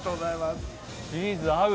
チーズ、合う。